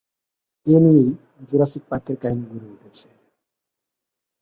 এ নিয়েই জুরাসিক পার্কের কাহিনী গড়ে উঠেছে।